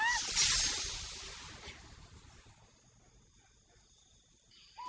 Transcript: mau jadi kayak gini sih salah buat apa